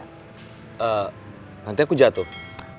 ehh nanti aku jatuh